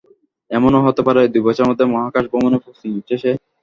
এমনও হতে পারে, দুই বছরের মধ্যে মহাকাশ ভ্রমণের প্রস্তুতি নিচ্ছে সে।